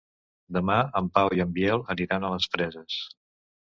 Demà en Pau i en Biel aniran a les Preses.